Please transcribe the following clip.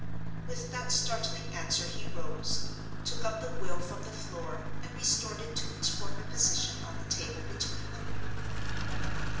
With that startling answer he rose, took up the will from the floor, and restored it to its former position on the table between them.